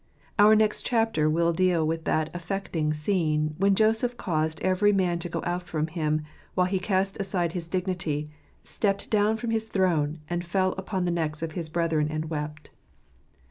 Our next chapter will deal with that affecting scene* when Joseph caused every man to go out from him, while he cast aside his dignity, stepped down from his throne, and 1 fell upon the necks of his brethren and wept.